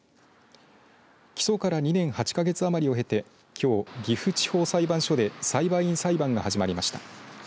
起訴から２年８か月余りを経てきょう岐阜地方裁判所で裁判員裁判が始まりました。